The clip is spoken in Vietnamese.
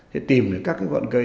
thế tìm được các cái vận cây